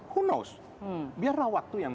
who knows biarlah waktu yang